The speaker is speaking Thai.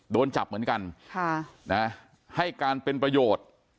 โดนจับเหมือนกันให้การเป็นประโยชน์